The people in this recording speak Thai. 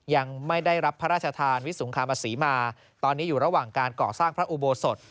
ยังไม่ได้รับพระราชทานวิสงครามศรีมาตอนนี้อยู่ระหว่างการก่อสร้างพระอุโบสถ